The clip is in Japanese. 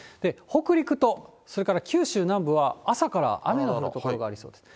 北陸とそれから九州南部は、朝から雨の降る所がありそうです。